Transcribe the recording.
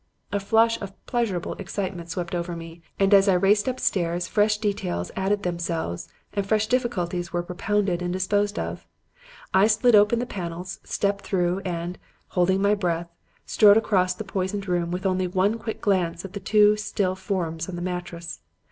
A flush of pleasurable excitement swept over me, and as I raced upstairs fresh details added themselves and fresh difficulties were propounded and disposed of. I slid open the panels, stepped through and, holding my breath, strode across the poisoned room with only one quick glance at the two still forms on the mattress.